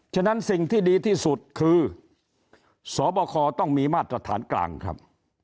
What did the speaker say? ฉะนั้นสิ่งที่ดีที่สุดคือสบคต้องมีมาตรฐานกลางครับ